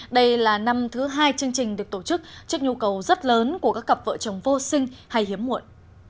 đây là năm thứ hai chương trình được tổ chức trước nhu cầu rất lớn của các cặp vợ chồng vô sinh hay hiếm muộn